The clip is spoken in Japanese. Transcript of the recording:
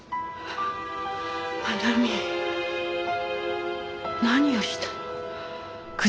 愛美何をしたの？